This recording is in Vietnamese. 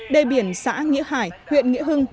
đề biển xã nghĩa hải huyện nghĩa hưng